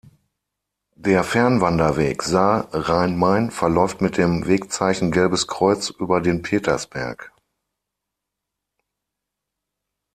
Der Fernwanderweg Saar-Rhein-Main verläuft mit dem Wegzeichen "Gelbes Kreuz" über den Petersberg.